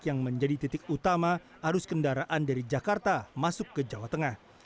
yang menjadi titik utama arus kendaraan dari jakarta masuk ke jawa tengah